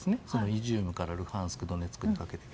イジュームからルハンスクドネツクにかけて。